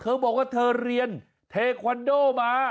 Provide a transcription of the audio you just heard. บอกว่าเธอเรียนเทควันโดมา